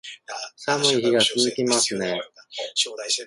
寒い日が続きますね